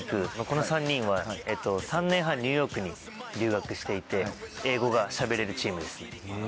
この３人は３年半ニューヨークに留学していて英語がしゃべれるチームですね。